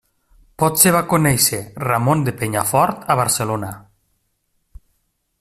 Potser va conèixer Ramon de Penyafort a Barcelona.